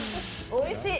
おいしい。